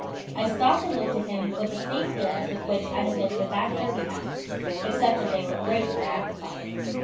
I stopped and looked at him with the same feelings with which I had looked at the derby hat, except that they were greatly magnified.